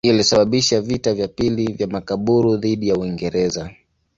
Hii ilisababisha vita vya pili vya Makaburu dhidi ya Uingereza.